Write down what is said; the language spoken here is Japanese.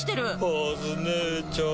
カズ姉ちゃん。